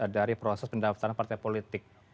dari proses pendaftaran partai politik